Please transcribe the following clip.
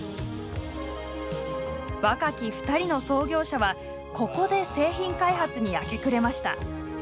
若き２人の創業者はここで製品開発に明け暮れました。